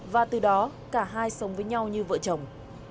và từ đó cả hai sống với nhau như vợ chồng